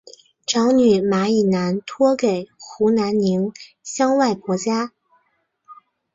长女马以南托给湖南宁乡外婆家。